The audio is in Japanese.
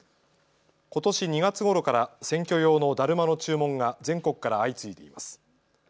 ことし２月ごろから選挙用のだるまの注文が全国から相次いでいます。